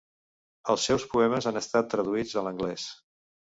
Els seus poemes han estat traduïts a l'anglès.